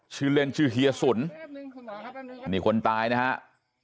ชื่อเล่นชื่อเฮียสุนนี่คนตายนะครับ